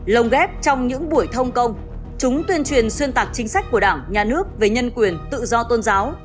lồng ghép trong những buổi thông công chúng tuyên truyền xuyên tạc chính sách của đảng nhà nước về nhân quyền tự do tôn giáo